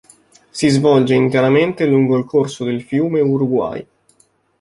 Si svolge interamente lungo il corso del fiume Uruguay.